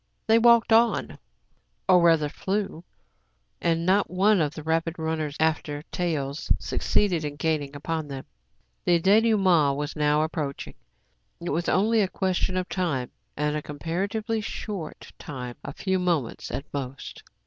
They walked on, or rather flew; and not one of the rapid runners after taels succeeded in gaining upon them. The dénoûme7it was now approaching. It was only a question of time, and a comparatively short time, — a few moments at most.